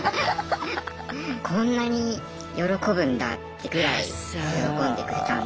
こんなに喜ぶんだってぐらい喜んでくれたんで。